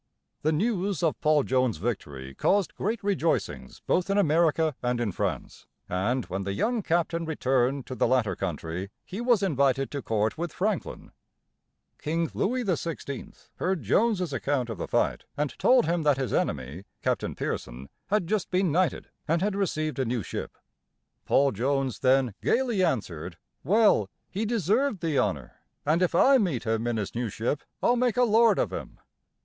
The news of Paul Jones's victory caused great rejoicings both in America and in France, and when the young captain returned to the latter country, he was invited to court with Franklin. King Louis XVI. heard Jones's account of the fight, and told him that his enemy, Captain Pearson had just been knighted, and had received a new ship. Paul Jones then gayly answered: "Well, he deserved the honor, and if I meet him in his new ship I'll make a lord of him."